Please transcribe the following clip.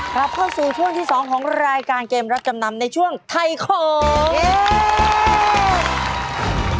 กลับเข้าสู่ช่วงที่๒ของรายการเกมรับจำนำในช่วงไทยของ